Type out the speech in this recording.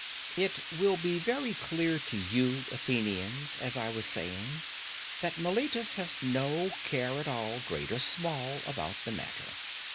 It will be very clear to you, Athenians, as I was saying, that Meletus has no care at all, great or small, about the matter.